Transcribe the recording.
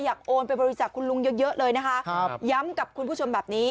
โอนไปบริจาคคุณลุงเยอะเยอะเลยนะคะครับย้ำกับคุณผู้ชมแบบนี้